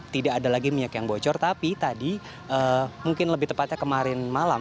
tidak ada lagi minyak yang bocor tapi tadi mungkin lebih tepatnya kemarin malam